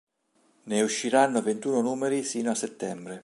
Ne usciranno ventuno numeri sino al settembre.